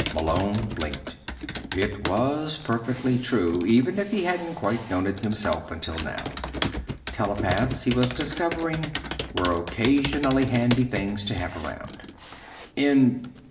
Malone blinked. It was perfectly true even if he hadn't quite known it himself until now. Telepaths, he was discovering, were occasionally handy things to have around. "In